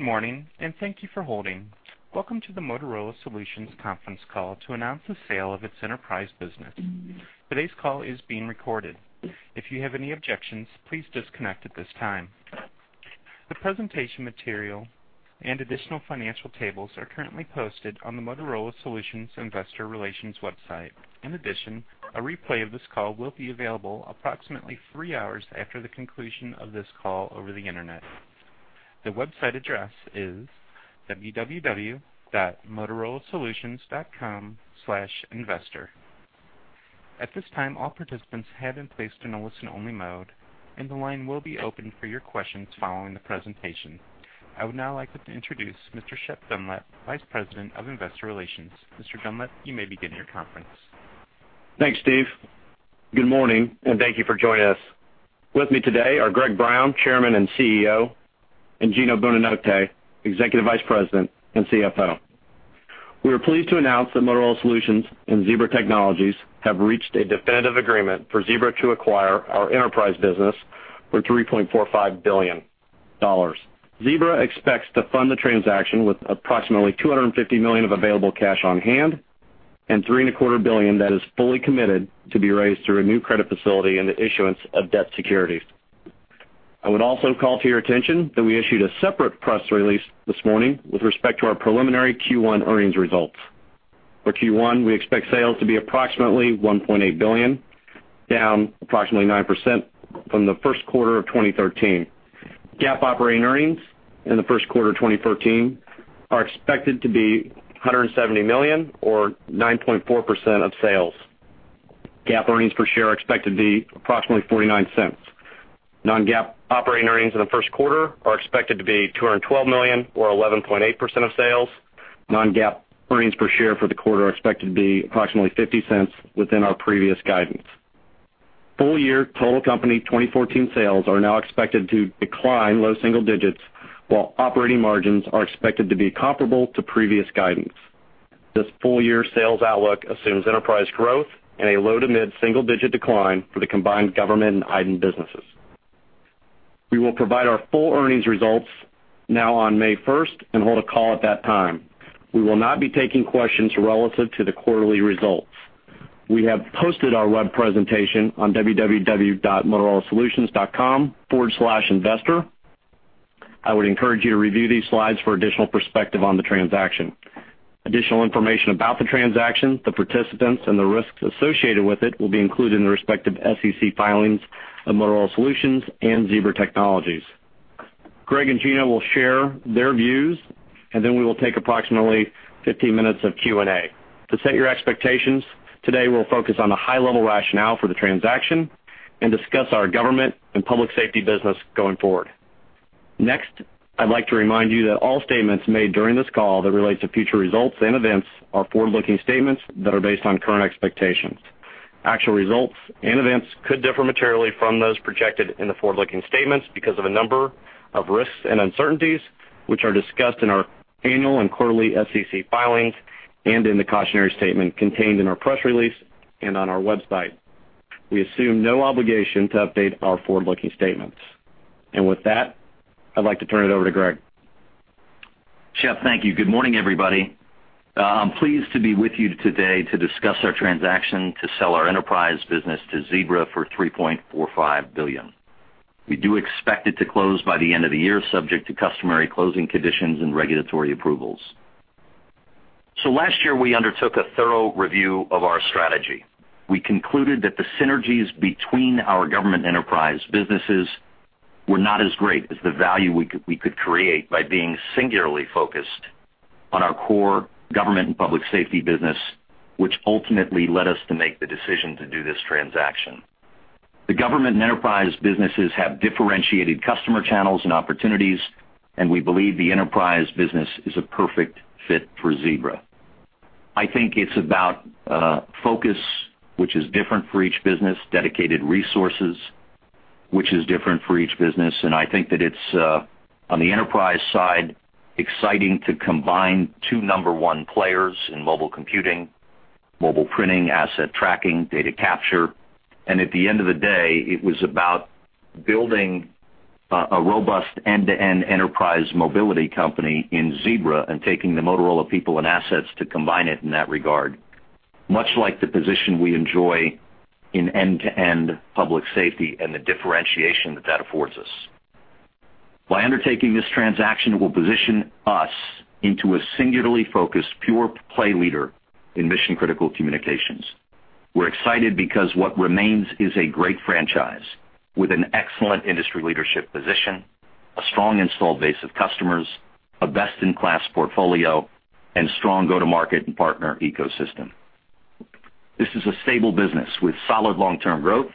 Good morning, and thank you for holding. Welcome to the Motorola Solutions Conference Call to announce the sale of its enterprise business. Today's call is being recorded. If you have any objections, please disconnect at this time. The presentation material and additional financial tables are currently posted on the Motorola Solutions investor relations website. In addition, a replay of this call will be available approximately three hours after the conclusion of this call over the internet. The website address is www.motorolasolutions.com/investor. At this time, all participants have been placed in a listen-only mode, and the line will be open for your questions following the presentation. I would now like to introduce Mr. Shep Dunlap, Vice President of Investor Relations. Mr. Dunlap, you may begin your conference. Thanks, Steve. Good morning, and thank you for joining us. With me today are Greg Brown, Chairman and CEO, and Gino Bonanotte, Executive Vice President and CFO. We are pleased to announce that Motorola Solutions and Zebra Technologies have reached a definitive agreement for Zebra to acquire our enterprise business for $3.45 billion. Zebra expects to fund the transaction with approximately $250 million of available cash on hand and $3.25 billion that is fully committed to be raised through a new credit facility and the issuance of debt securities. I would also call to your attention that we issued a separate press release this morning with respect to our preliminary Q1 earnings results. For Q1, we expect sales to be approximately $1.8 billion, down approximately 9% from the first quarter of 2013. GAAP operating earnings in the first quarter of 2013 are expected to be $170 million or 9.4% of sales. GAAP earnings per share are expected to be approximately $0.49. Non-GAAP operating earnings in the first quarter are expected to be $212 million or 11.8% of sales. Non-GAAP earnings per share for the quarter are expected to be approximately $0.50 within our previous guidance. Full year total company 2014 sales are now expected to decline low single digits, while operating margins are expected to be comparable to previous guidance. This full-year sales outlook assumes enterprise growth and a low- to mid-single-digit decline for the combined government and iDEN businesses. We will provide our full earnings results now on May first and hold a call at that time. We will not be taking questions relative to the quarterly results. We have posted our web presentation on www.motorolasolutions.com/investor. I would encourage you to review these slides for additional perspective on the transaction. Additional information about the transaction, the participants, and the risks associated with it will be included in the respective SEC filings of Motorola Solutions and Zebra Technologies. Greg and Gino will share their views, and then we will take approximately 15 minutes of Q&A. To set your expectations, today, we'll focus on the high-level rationale for the transaction and discuss our government and public safety business going forward. Next, I'd like to remind you that all statements made during this call that relate to future results and events are forward-looking statements that are based on current expectations. Actual results and events could differ materially from those projected in the forward-looking statements because of a number of risks and uncertainties, which are discussed in our annual and quarterly SEC filings and in the cautionary statement contained in our press release and on our website. We assume no obligation to update our forward-looking statements. With that, I'd like to turn it over to Greg. Shep, thank you. Good morning, everybody. I'm pleased to be with you today to discuss our transaction to sell our enterprise business to Zebra for $3.45 billion. We do expect it to close by the end of the year, subject to customary closing conditions and regulatory approvals. Last year, we undertook a thorough review of our strategy. We concluded that the synergies between our government enterprise businesses were not as great as the value we could, we could create by being singularly focused on our core government and public safety business, which ultimately led us to make the decision to do this transaction. The government and enterprise businesses have differentiated customer channels and opportunities, and we believe the enterprise business is a perfect fit for Zebra. I think it's about, focus, which is different for each business, dedicated resources, which is different for each business, and I think that it's, on the enterprise side, exciting to combine two number one players in mobile computing, mobile printing, asset tracking, data capture. At the end of the day, it was about building a robust end-to-end enterprise mobility company in Zebra and taking the Motorola people and assets to combine it in that regard, much like the position we enjoy in end-to-end public safety and the differentiation that that affords us. By undertaking this transaction, it will position us into a singularly focused, pure play leader in mission-critical communications. We're excited because what remains is a great franchise with an excellent industry leadership position, a strong installed base of customers, a best-in-class portfolio, and strong go-to-market and partner ecosystem. This is a stable business with solid long-term growth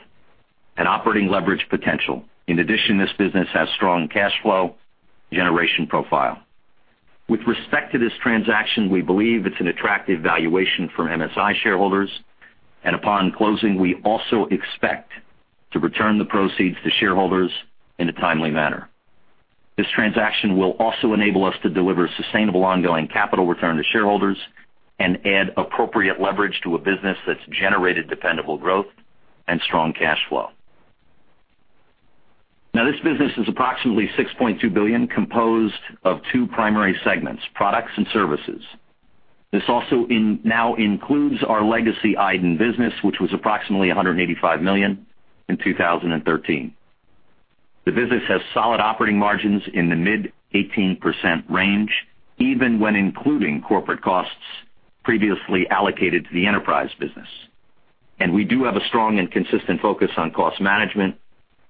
and operating leverage potential. In addition, this business has strong cash flow generation profile. With respect to this transaction, we believe it's an attractive valuation for MSI shareholders, and upon closing, we also expect to return the proceeds to shareholders in a timely manner. This transaction will also enable us to deliver sustainable ongoing capital return to shareholders and add appropriate leverage to a business that's generated dependable growth and strong cash flow.... Now, this business is approximately $6.2 billion, composed of two primary segments, products and services. This also now includes our legacy iDEN business, which was approximately $185 million in 2013. The business has solid operating margins in the mid-18% range, even when including corporate costs previously allocated to the enterprise business. We do have a strong and consistent focus on cost management,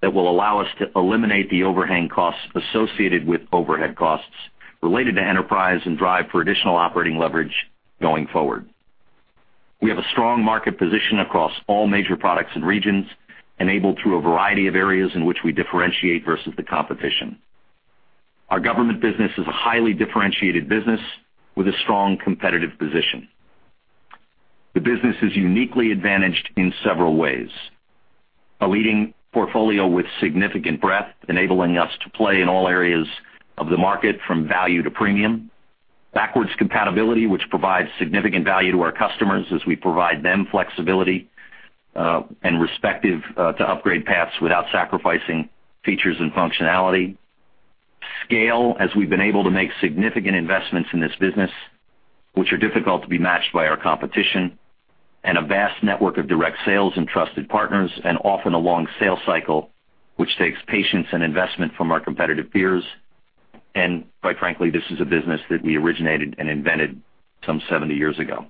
that will allow us to eliminate the overhang costs associated with overhead costs related to enterprise, and drive for additional operating leverage going forward. We have a strong market position across all major products and regions, enabled through a variety of areas in which we differentiate versus the competition. Our government business is a highly differentiated business with a strong competitive position. The business is uniquely advantaged in several ways. A leading portfolio with significant breadth, enabling us to play in all areas of the market, from value to premium. Backward compatibility, which provides significant value to our customers as we provide them flexibility with respect to upgrade paths without sacrificing features and functionality. Scale, as we've been able to make significant investments in this business, which are difficult to be matched by our competition. A vast network of direct sales and trusted partners, and often a long sales cycle, which takes patience and investment from our competitive peers. And quite frankly, this is a business that we originated and invented some 70 years ago.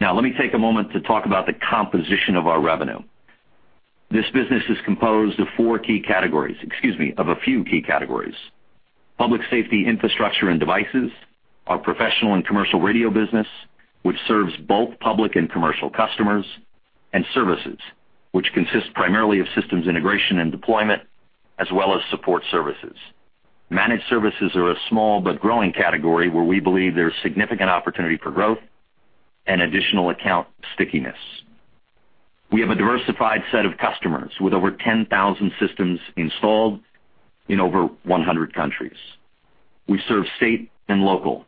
Now, let me take a moment to talk about the composition of our revenue. This business is composed of four key categories, excuse me, of a few key categories. Public safety, infrastructure, and devices, our professional and commercial radio business, which serves both public and commercial customers, and services, which consists primarily of systems integration and deployment, as well as support services. Managed services are a small but growing category where we believe there's significant opportunity for growth and additional account stickiness. We have a diversified set of customers, with over 10,000 systems installed in over 100 countries. We serve state and local,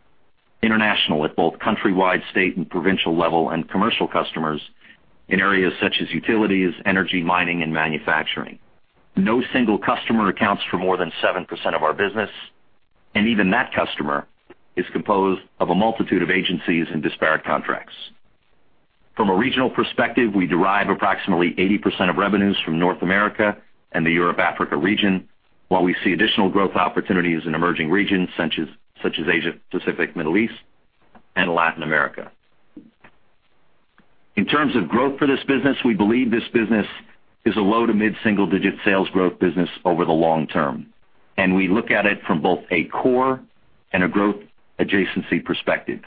international, at both countrywide, state, and provincial level, and commercial customers in areas such as utilities, energy, mining, and manufacturing. No single customer accounts for more than 7% of our business, and even that customer is composed of a multitude of agencies and disparate contracts. From a regional perspective, we derive approximately 80% of revenues from North America and the Europe, Africa region, while we see additional growth opportunities in emerging regions, such as Asia Pacific, Middle East, and Latin America. In terms of growth for this business, we believe this business is a low-to-mid single-digit sales growth business over the long term, and we look at it from both a core and a growth adjacency perspective.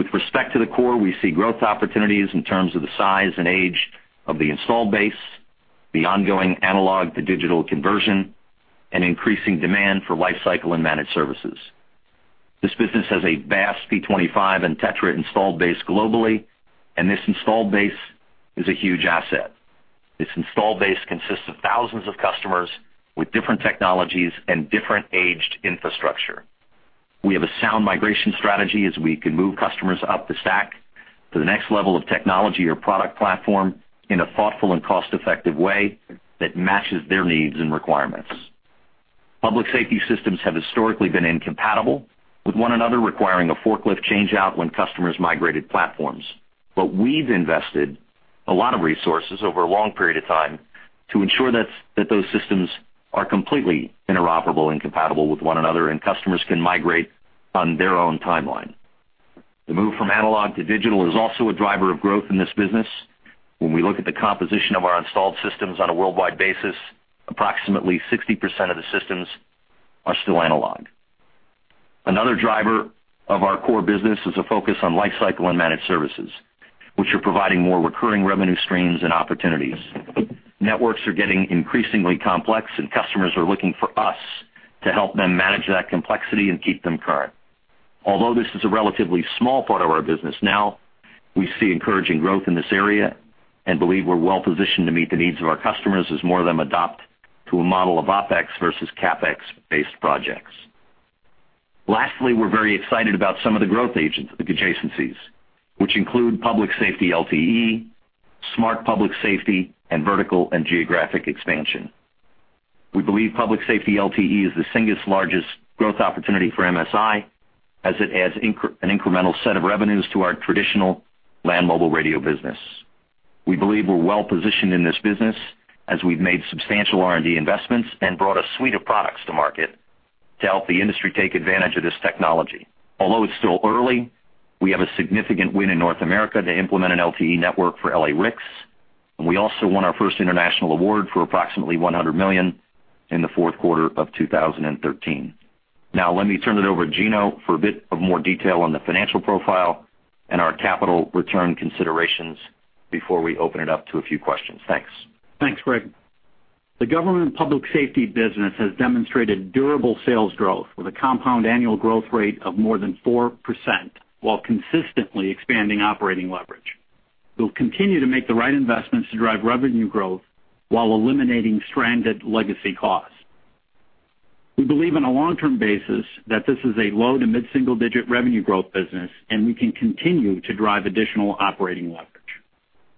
With respect to the core, we see growth opportunities in terms of the size and age of the installed base, the ongoing analog to digital conversion, and increasing demand for lifecycle and managed services. This business has a vast P25 and TETRA installed base globally, and this installed base is a huge asset. This installed base consists of thousands of customers with different technologies and different aged infrastructure. We have a sound migration strategy as we can move customers up the stack to the next level of technology or product platform in a thoughtful and cost-effective way that matches their needs and requirements. Public safety systems have historically been incompatible with one another, requiring a forklift change-out when customers migrated platforms. But we've invested a lot of resources over a long period of time to ensure that those systems are completely interoperable and compatible with one another, and customers can migrate on their own timeline. The move from analog to digital is also a driver of growth in this business. When we look at the composition of our installed systems on a worldwide basis, approximately 60% of the systems are still analog. Another driver of our core business is a focus on lifecycle and managed services, which are providing more recurring revenue streams and opportunities. Networks are getting increasingly complex, and customers are looking for us to help them manage that complexity and keep them current. Although this is a relatively small part of our business now, we see encouraging growth in this area and believe we're well positioned to meet the needs of our customers as more of them adopt to a model of OpEx versus CapEx-based projects. Lastly, we're very excited about some of the growth agents, adjacencies, which include public safety LTE, smart public safety, and vertical and geographic expansion. We believe public safety LTE is the single largest growth opportunity for MSI, as it adds an incremental set of revenues to our traditional land mobile radio business. We believe we're well positioned in this business as we've made substantial R&D investments and brought a suite of products to market to help the industry take advantage of this technology. Although it's still early, we have a significant win in North America to implement an LTE network for LA-RICS, and we also won our first international award for approximately $100 million in the fourth quarter of 2013. Now, let me turn it over to Gino for a bit of more detail on the financial profile and our capital return considerations before we open it up to a few questions. Thanks. Thanks, Greg. The government public safety business has demonstrated durable sales growth with a compound annual growth rate of more than 4%, while consistently expanding operating leverage. We'll continue to make the right investments to drive revenue growth while eliminating stranded legacy costs. ...We believe on a long-term basis that this is a low to mid-single-digit revenue growth business, and we can continue to drive additional operating leverage.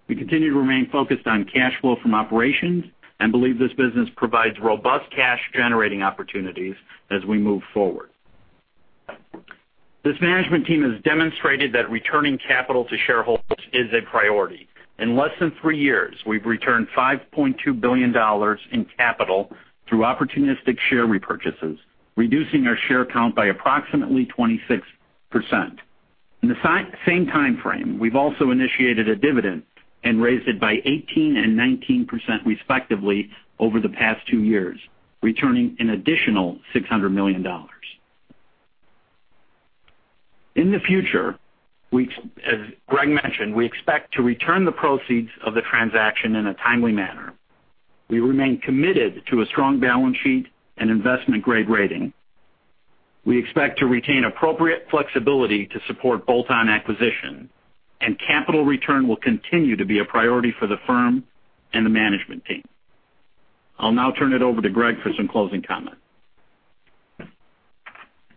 We continue to remain focused on cash flow from operations and believe this business provides robust cash-generating opportunities as we move forward. This management team has demonstrated that returning capital to shareholders is a priority. In less than three years, we've returned $5.2 billion in capital through opportunistic share repurchases, reducing our share count by approximately 26%. In the same time frame, we've also initiated a dividend and raised it by 18% and 19%, respectively, over the past two years, returning an additional $600 million. In the future, as Greg mentioned, we expect to return the proceeds of the transaction in a timely manner. We remain committed to a strong balance sheet and investment-grade rating. We expect to retain appropriate flexibility to support bolt-on acquisition, and capital return will continue to be a priority for the firm and the management team. I'll now turn it over to Greg for some closing comments.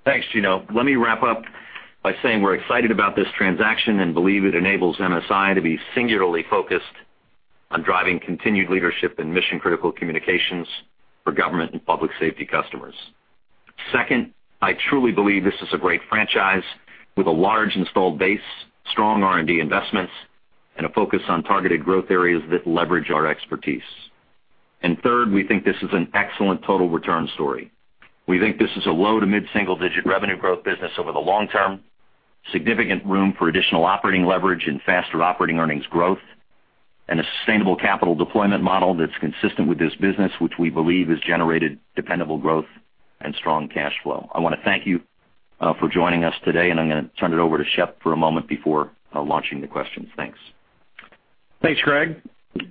Thanks, Gino. Let me wrap up by saying we're excited about this transaction and believe it enables MSI to be singularly focused on driving continued leadership in mission-critical communications for government and public safety customers. Second, I truly believe this is a great franchise with a large installed base, strong R&D investments, and a focus on targeted growth areas that leverage our expertise. And third, we think this is an excellent total return story. We think this is a low- to mid-single-digit revenue growth business over the long term, significant room for additional operating leverage and faster operating earnings growth, and a sustainable capital deployment model that's consistent with this business, which we believe has generated dependable growth and strong cash flow. I want to thank you for joining us today, and I'm going to turn it over to Shep for a moment before launching the questions. Thanks. Thanks, Greg.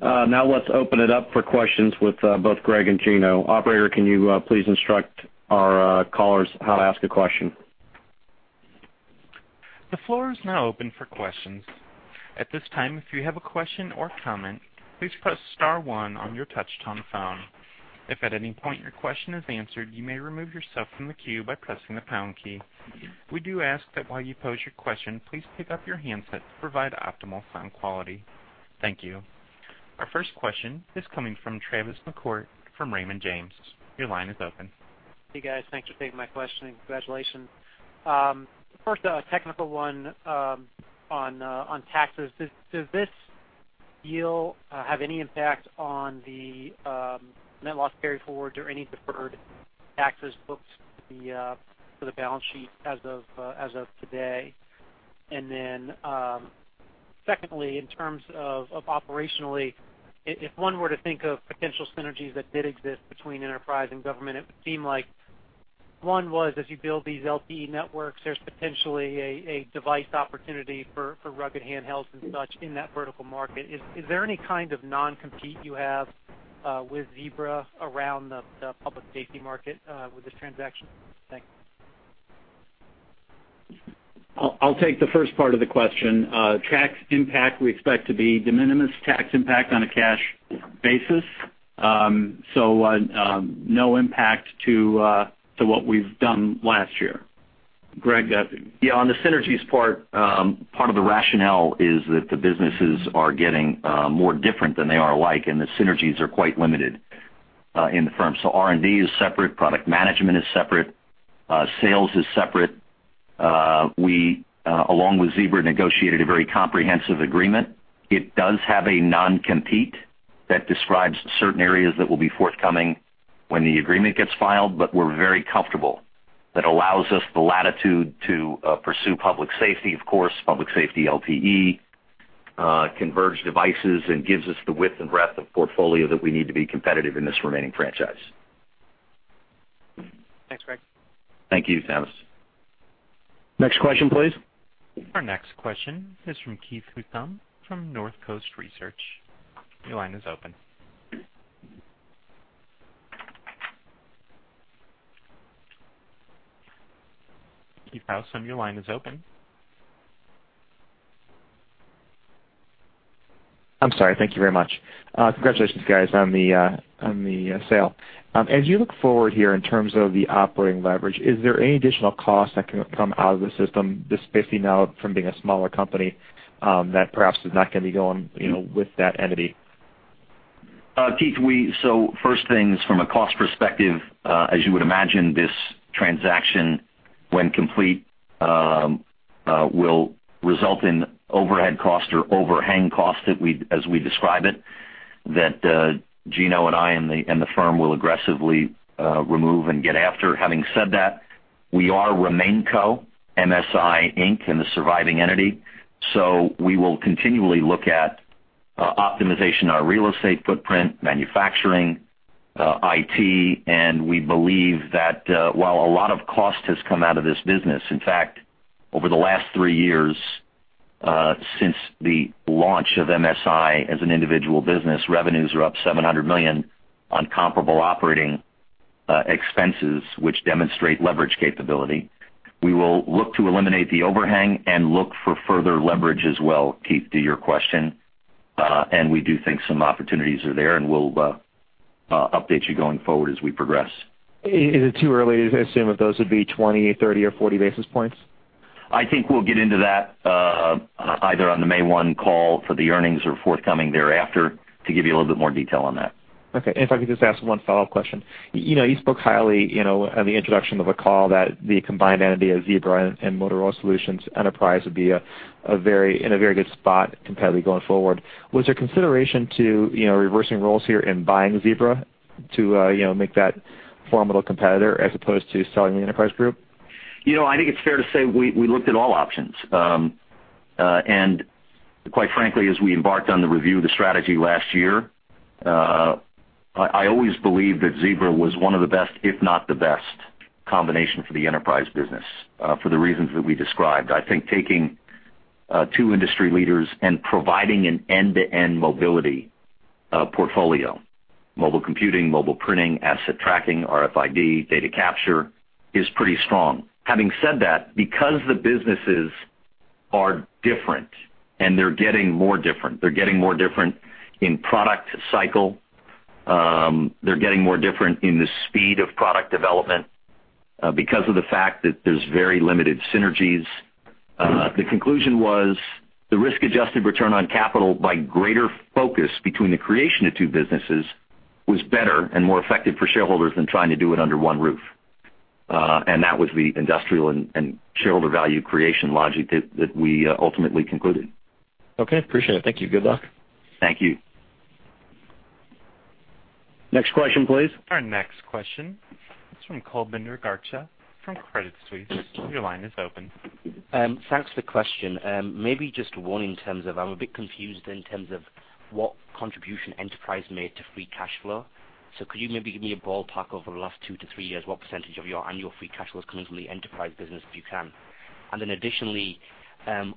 Now let's open it up for questions with both Greg and Gino. Operator, can you please instruct our callers how to ask a question? The floor is now open for questions. At this time, if you have a question or comment, please press star one on your touch-tone phone. If at any point your question is answered, you may remove yourself from the queue by pressing the pound key. We do ask that while you pose your question, please pick up your handset to provide optimal sound quality. Thank you. Our first question is coming from Travis McCourt from Raymond James. Your line is open. Hey, guys, thanks for taking my question, and congratulations. First, a technical one, on taxes. Does this deal have any impact on the net loss carryforwards or any deferred taxes booked to the balance sheet as of today? And then, secondly, in terms of operationally, if one were to think of potential synergies that did exist between enterprise and government, it would seem like one was, as you build these LTE networks, there's potentially a device opportunity for rugged handhelds and such in that vertical market. Is there any kind of non-compete you have with Zebra around the public safety market with this transaction? Thanks. I'll take the first part of the question. Tax impact, we expect to be de minimis tax impact on a cash basis. So, no impact to what we've done last year. Greg? Yeah, on the synergies part, part of the rationale is that the businesses are getting more different than they are alike, and the synergies are quite limited in the firm. So R&D is separate, product management is separate, sales is separate. We, along with Zebra, negotiated a very comprehensive agreement. It does have a non-compete that describes certain areas that will be forthcoming when the agreement gets filed, but we're very comfortable. That allows us the latitude to pursue public safety, of course, public safety LTE, converged devices, and gives us the width and breadth of portfolio that we need to be competitive in this remaining franchise. Thanks, Greg. Thank you, Travis. Next question, please. Our next question is from Keith Housum from Northcoast Research. Your line is open. Keith Housum, your line is open. I'm sorry. Thank you very much. Congratulations, guys, on the sale. As you look forward here in terms of the operating leverage, is there any additional costs that can come out of the system, just 50 now from being a smaller company, that perhaps is not going to be going, you know, with that entity? Keith, so first things, from a cost perspective, as you would imagine, this transaction, when complete, will result in overhead cost or overhang cost that we, as we describe it, Gino and I and the firm will aggressively remove and get after. Having said that, we remain Motorola Solutions Inc. and the surviving entity, so we will continually look at optimization, our real estate footprint, manufacturing, IT, and we believe that while a lot of cost has come out of this business, in fact, over the last three years, since the launch of Motorola Solutions as an individual business, revenues are up $700 million on comparable operating expenses, which demonstrate leverage capability. We will look to eliminate the overhang and look for further leverage as well, Keith, to your question. We do think some opportunities are there, and we'll update you going forward as we progress. Is it too early to assume if those would be 20, 30, or 40 basis points? I think we'll get into that, either on the May 1 call for the earnings or forthcoming thereafter, to give you a little bit more detail on that. Okay. And if I could just ask one follow-up question. You know, you spoke highly, you know, on the introduction of a call that the combined entity of Zebra and, and Motorola Solutions Enterprise would be a very good spot competitively going forward. Was there consideration to, you know, reversing roles here and buying Zebra to, you know, make that formidable competitor as opposed to selling the Enterprise group? You know, I think it's fair to say we looked at all options. Quite frankly, as we embarked on the review of the strategy last year, I always believed that Zebra was one of the best, if not the best, combination for the enterprise business, for the reasons that we described. I think taking two industry leaders and providing an end-to-end mobility portfolio, mobile computing, mobile printing, asset tracking, RFID, data capture, is pretty strong. Having said that, because the businesses are different and they're getting more different, they're getting more different in product cycle, they're getting more different in the speed of product development, because of the fact that there's very limited synergies. The conclusion was the risk-adjusted return on capital by greater focus between the creation of two businesses was better and more effective for shareholders than trying to do it under one roof. And that was the industrial and shareholder value creation logic that we ultimately concluded. Okay, appreciate it. Thank you. Good luck. Thank you. Next question, please. Our next question is from Kulbinder Garcha from Credit Suisse. Your line is open. Thanks for the question. Maybe just one in terms of, I'm a bit confused in terms of what contribution Enterprise made to free cash flow. So could you maybe give me a ballpark over the last 2-3 years, what percentage of your annual free cash flow is coming from the Enterprise business, if you can? And then additionally,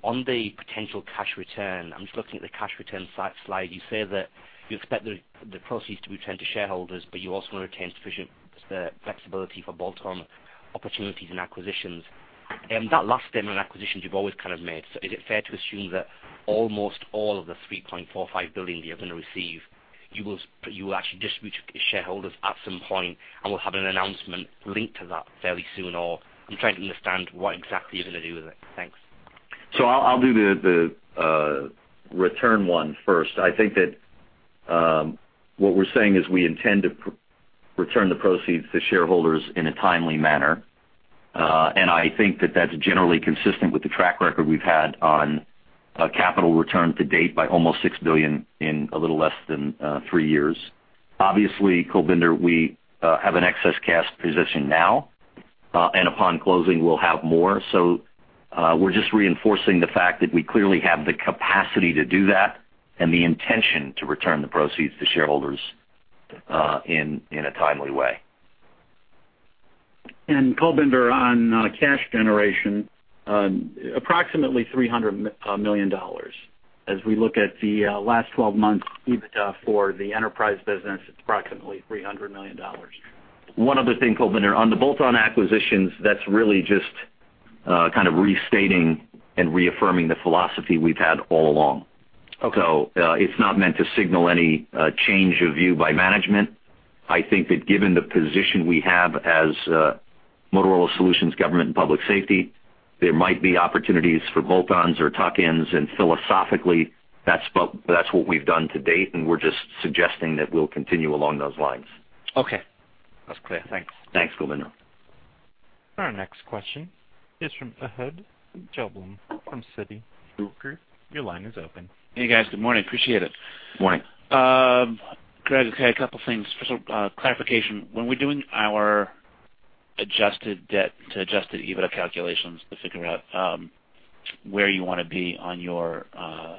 on the potential cash return, I'm just looking at the cash return slide. You say that you expect the, the proceeds to be returned to shareholders, but you also want to retain sufficient flexibility for bolt-on opportunities and acquisitions. And that last item on acquisitions, you've always kind of made. So is it fair to assume that almost all of the $3.45 billion that you're going to receive, you will, you will actually distribute to shareholders at some point and will have an announcement linked to that fairly soon? Or I'm trying to understand what exactly you're going to do with it. Thanks. So I'll do the return one first. I think that what we're saying is we intend to return the proceeds to shareholders in a timely manner. And I think that that's generally consistent with the track record we've had on capital return to date by almost $6 billion in a little less than 3 years. Obviously, Kulbinder, we have an excess cash position now, and upon closing, we'll have more. So we're just reinforcing the fact that we clearly have the capacity to do that and the intention to return the proceeds to shareholders in a timely way. Kulbinder, on cash generation, approximately $300 million. As we look at the last 12 months EBITDA for the enterprise business, it's approximately $300 million. One other thing, Kulbinder, on the bolt-on acquisitions, that's really just kind of restating and reaffirming the philosophy we've had all along. Okay. So, it's not meant to signal any change of view by management. I think that given the position we have as Motorola Solutions, Government and Public Safety, there might be opportunities for bolt-ons or tuck-ins, and philosophically, that's what, that's what we've done to date, and we're just suggesting that we'll continue along those lines. Okay. That's clear. Thanks. Thanks, Kulbinder. Our next question is from Ehud Gelblum from Citi. Your line is open. Hey, guys. Good morning. Appreciate it. Morning. Greg, okay, a couple of things. First off, clarification. When we're doing our adjusted debt to adjusted EBITDA calculations to figure out where you want to be on your on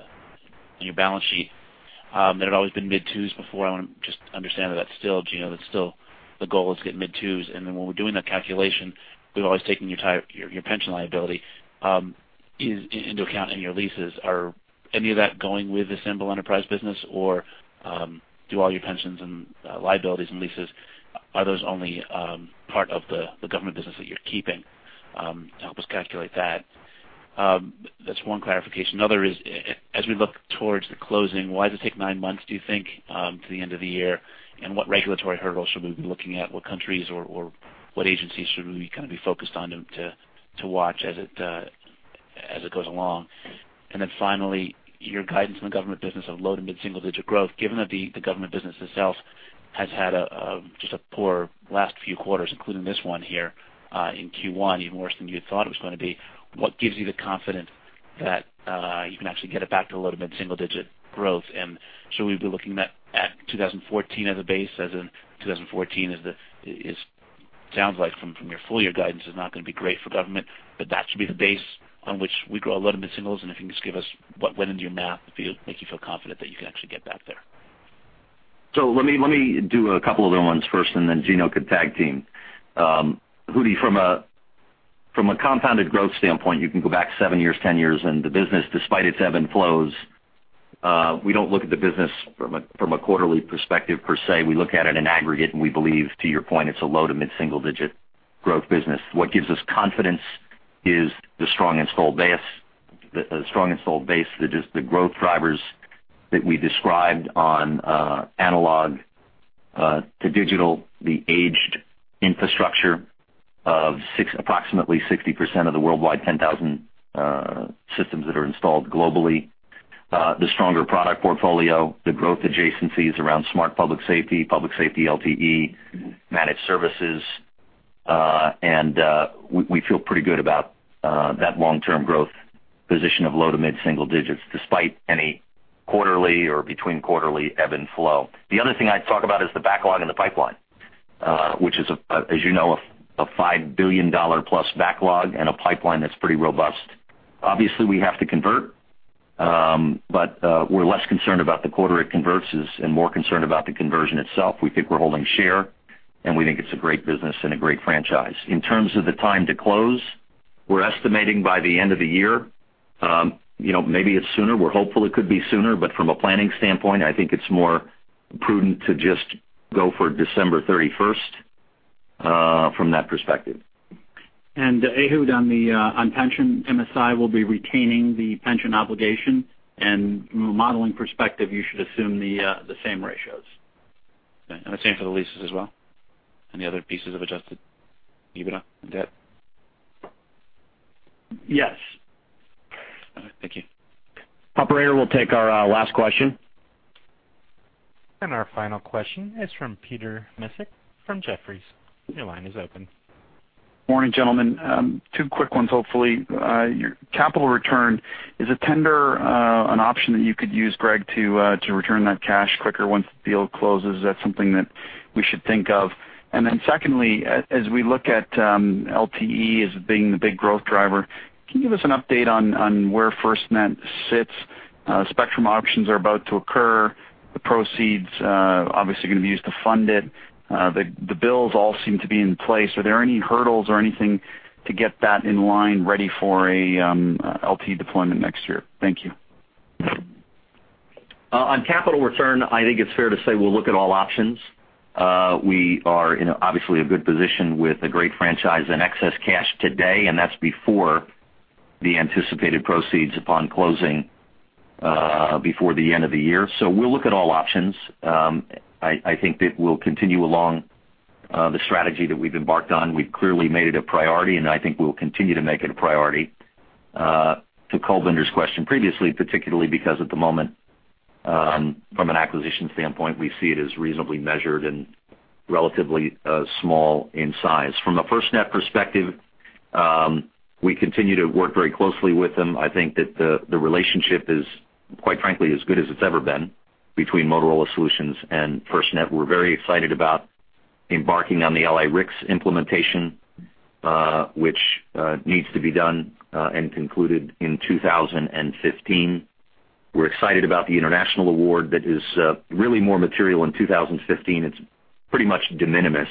your balance sheet, that had always been mid-twos before. I want to just understand that that's still, you know, that's still the goal is to get mid-twos. And then when we're doing that calculation, we've always taken your your pension liability into account, and your leases. Are any of that going with the Symbol Enterprise business, or do all your pensions and liabilities and leases, are those only part of the government business that you're keeping? Help us calculate that. That's one clarification. Another is, as we look towards the closing, why does it take 9 months, do you think, to the end of the year? And what regulatory hurdles should we be looking at? What countries or what agencies should we kind of be focused on to watch as it goes along? And then finally, your guidance on the government business of low- to mid-single digit growth. Given that the government business itself has had just a poor last few quarters, including this one here, in Q1, even worse than you thought it was going to be, what gives you the confidence that you can actually get it back to low- to mid-single digit growth? And should we be looking at 2014 as a base, as in 2014 sounds like from your full year guidance is not going to be great for government, but that should be the base on which we grow low- to mid-singles. And if you can just give us what went into your model that makes you feel confident that you can actually get back there. So let me, let me do a couple of other ones first, and then Gino could tag team. Ehud, from a, from a compounded growth standpoint, you can go back 7 years, 10 years, and the business, despite its ebbs and flows, we don't look at the business from a, from a quarterly perspective per se. We look at it in aggregate, and we believe, to your point, it's a low- to mid-single-digit growth business. What gives us confidence is the strong install base, the strong install base, just the growth drivers that we described on analog to digital, the aged infrastructure of approximately 60% of the worldwide 10,000 systems that are installed globally, the stronger product portfolio, the growth adjacencies around smart public safety, public safety LTE, managed services. We feel pretty good about that long-term growth position of low-to-mid single digits, despite any quarterly or between quarterly ebb and flow. The other thing I'd talk about is the backlog in the pipeline, which is, as you know, a $5 billion+ backlog and a pipeline that's pretty robust. Obviously, we have to convert, but we're less concerned about the quarter it converts as and more concerned about the conversion itself. We think we're holding share, and we think it's a great business and a great franchise. In terms of the time to close, we're estimating by the end of the year. You know, maybe it's sooner. We're hopeful it could be sooner, but from a planning standpoint, I think it's more prudent to just go for December thirty-first, from that perspective. Ehud, on the pension, MSI will be retaining the pension obligation, and from a modeling perspective, you should assume the same ratios. Okay, and the same for the leases as well? And the other pieces of adjusted EBITDA and debt? Yes. All right. Thank you. Operator, we'll take our last question. Our final question is from Peter Misek from Jefferies. Your line is open. Morning, gentlemen. Two quick ones, hopefully. Your capital return, is a tender an option that you could use, Greg, to return that cash quicker once the deal closes? Is that something that we should think of? And then secondly, as we look at LTE as being the big growth driver, can you give us an update on where FirstNet sits? Spectrum auctions are about to occur. The proceeds, obviously, are going to be used to fund it. The bills all seem to be in place. Are there any hurdles or anything to get that in line ready for a LTE deployment next year? Thank you. On capital return, I think it's fair to say we'll look at all options. We are in obviously a good position with a great franchise and excess cash today, and that's before the anticipated proceeds upon closing, before the end of the year. So we'll look at all options. I think that we'll continue along, the strategy that we've embarked on. We've clearly made it a priority, and I think we'll continue to make it a priority, to Kulbinder's question previously, particularly because at the moment, from an acquisition standpoint, we see it as reasonably measured and relatively, small in size. From a FirstNet perspective, we continue to work very closely with them. I think that the relationship is, quite frankly, as good as it's ever been between Motorola Solutions and FirstNet. We're very excited about embarking on the LA-RICS implementation, which needs to be done and concluded in 2015. We're excited about the international award that is really more material in 2015. It's pretty much de minimis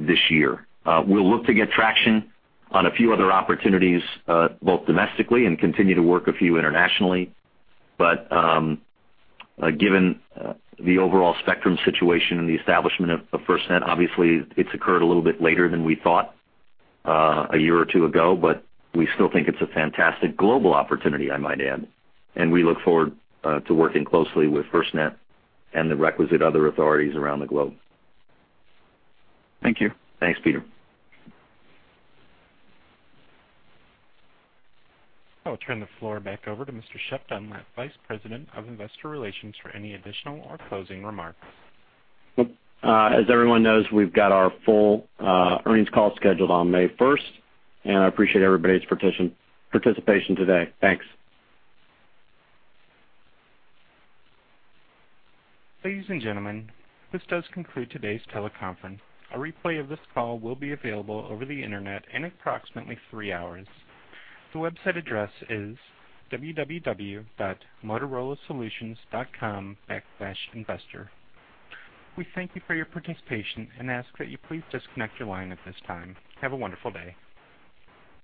this year. We'll look to get traction on a few other opportunities, both domestically and continue to work a few internationally. But given the overall spectrum situation and the establishment of FirstNet, obviously it's occurred a little bit later than we thought a year or two ago, but we still think it's a fantastic global opportunity, I might add, and we look forward to working closely with FirstNet and the requisite other authorities around the globe. Thank you. Thanks, Peter. I will turn the floor back over to Mr. Shep Dunlap, Vice President of Investor Relations, for any additional or closing remarks. As everyone knows, we've got our full earnings call scheduled on May first, and I appreciate everybody's participation today. Thanks. Ladies and gentlemen, this does conclude today's teleconference. A replay of this call will be available over the Internet in approximately three hours. The website address is www.motorolasolutions.com/investor. We thank you for your participation and ask that you please disconnect your line at this time. Have a wonderful day!